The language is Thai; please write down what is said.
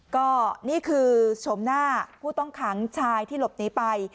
ก็นี่คือชมหน้าผู้ต้องขังชายที่หลบหนีไป